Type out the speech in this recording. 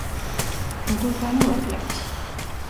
როგორ გამოვაკლებთ?